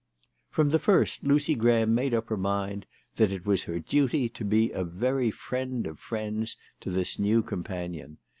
From the first Lucy Graham made up her mind that it was her duty to be a very friend of friends to this new companion.